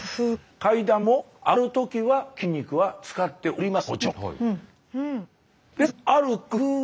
階段を上がるときは筋肉は使っております